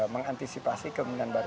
mengantisipasi kemudian baru